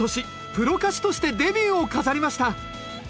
プロ歌手としてデビューを飾りました。